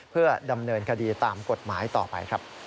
เพื่อดำเนินคดีตามกฎหมายต่อไปครับ